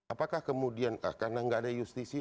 apakah kemudian karena nggak ada justisi